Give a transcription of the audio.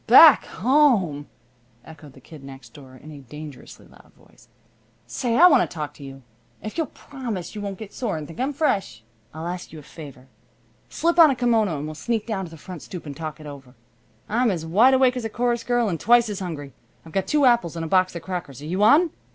"Back home!" echoed the Kid Next Door in a dangerously loud voice. "Say, I want to talk to you. If you'll promise you won't get sore and think I'm fresh, I'll ask you a favor. Slip on a kimono and we'll sneak down to the front stoop and talk it over. I'm as wide awake as a chorus girl and twice as hungry. I've got two apples and a box of crackers. Are you on?"